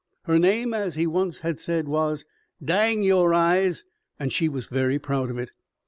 Her name, as he once had said, was Dang Yore Eyes and she was very proud of it.